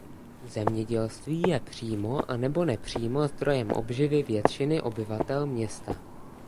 Zemědělství je přímo a nebo nepřímo zdrojem obživy většiny obyvatel města.